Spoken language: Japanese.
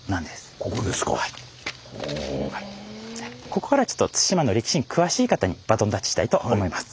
ここからはちょっと対馬の歴史に詳しい方にバトンタッチしたいと思います。